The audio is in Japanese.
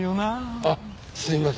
あっすいません。